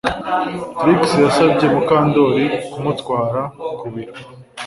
Trix yasabye Mukandoli kumutwara ku biro